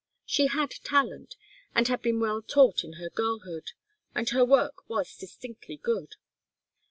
She had talent, and had been well taught in her girlhood, and her work was distinctly good.